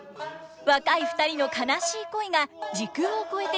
若い２人の悲しい恋が時空を超えてよみがえります。